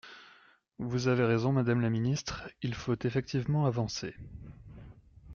Vous avez raison, madame la ministre : il faut effectivement avancer.